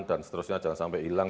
dan seterusnya jangan sampai hilang